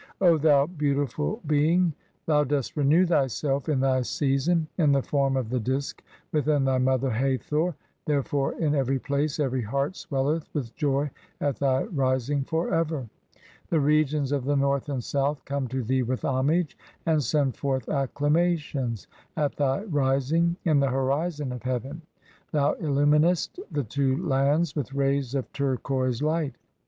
O thou beautiful Being, "thou dost renew thyself in thy season in the form of the Disk "within thy mother Hathor ; therefore in every place every heart "swelleth with joy at thy rising, for ever. The regions of the "North and South come to thee with homage, and send forth "acclamations at thy rising in the horizon of heaven ; thou illu "minest the two lands with rays of turquoise light.